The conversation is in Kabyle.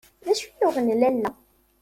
D acu yuɣen lalla?